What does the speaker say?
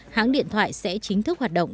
hãng điện thoại sẽ chính thức hoạt động